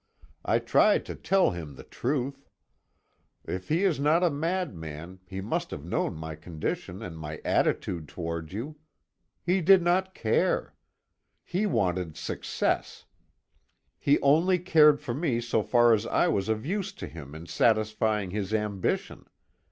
I tried to tell him the truth. If he is not a madman he must have known my condition and my attitude toward you. He did not care. He wanted success. He only cared for me so far as I was of use to him in satisfying his ambition.